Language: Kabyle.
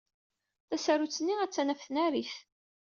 Tasarut-nni attan ɣef tnarit.